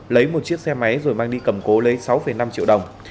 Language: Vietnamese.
lấy một chiếc xe máy rồi mang đi cầm cố lấy sáu năm triệu đồng